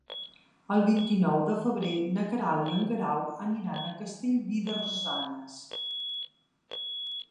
El vint-i-nou de febrer na Queralt i en Guerau aniran a Castellví de Rosanes.